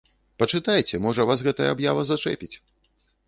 Пачытайце, можа, вас гэтая аб'ява зачэпіць!